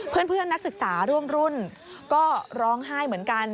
เพื่อนนักศึกษาร่วมรุ่นก็ร้องไห้เหมือนกัน